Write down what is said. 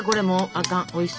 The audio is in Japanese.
あかん。